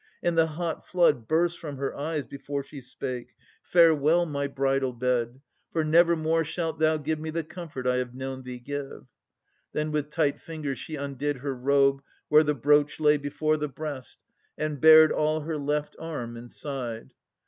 And the hot flood Burst from her eyes before she spake: 'Farewell, My bridal bed, for never more shalt thou Give me the comfort I have known thee give.' Then with tight fingers she undid her robe, Where the brooch lay before the breast, and bared All her left arm and side.